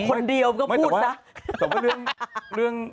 คนเดียวก็พูดซะ